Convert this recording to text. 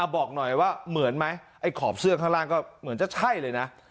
บอกหน่อยว่าเหมือนไหมไอ้ขอบเสื้อข้างล่างก็เหมือนจะใช่เลยนะ